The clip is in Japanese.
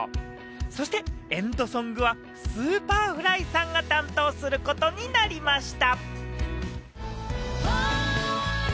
そしてエンドソングはＳｕｐｅｒｆｌｙさんが担当することになりました。